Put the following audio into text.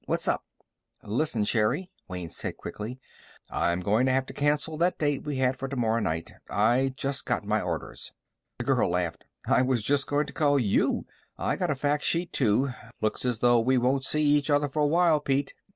What's up?" "Listen, Sherri," Wayne said quickly. "I'm going to have to cancel that date we had for tomorrow night. I just got my orders." The girl laughed. "I was just going to call you, I got a fac sheet too. Looks as though we won't see each other for a while, Pete."